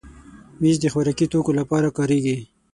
مېز د خوراکي توکو لپاره کارېږي.